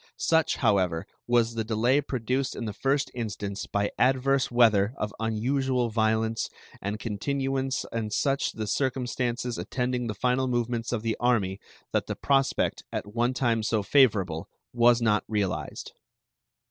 Such, however, was the delay produced in the first instance by adverse weather of unusual violence and continuance and such the circumstances attending the final movements of the army, that the prospect, at one time so favorable, was not realized.